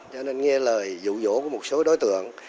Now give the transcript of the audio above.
cho nên nghe lời rủ rỗ của một số đối tượng